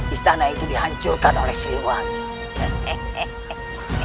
istana itu dihancurkan oleh siliwangi